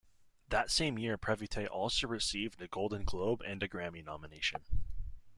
That same year Previte also received a Golden Globe and a Grammy nomination.